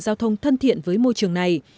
giao thông thân thiện với môi trường này